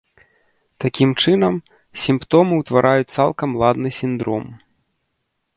Такім чынам, сімптомы ўтвараюць цалкам ладны сіндром.